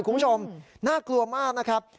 คุณผู้ชมน่ากลัวมากนะครับ